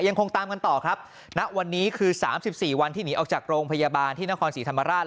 ยังคงตามกันต่อครับณวันนี้คือ๓๔วันที่หนีออกจากโรงพยาบาลที่นครศรีธรรมราช